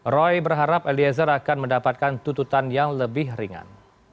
roy berharap eliezer akan mendapatkan tututan yang lebih ringan